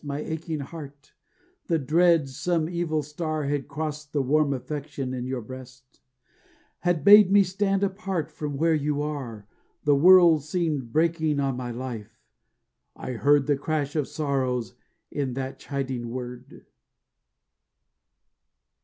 My aching heart the dread some evil star Had crossed the warm affection in your breast, Had bade me stand apart from where you are. The world seemed breaking on my life; I heard The crash of sorrows in that chiding word.